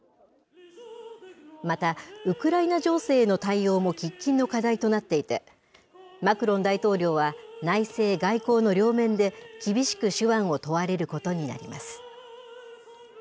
また、ウクライナ情勢への対応も喫緊の課題となっていて、マクロン大統領は内政、外交の両面で、厳しく手腕を問われることになります。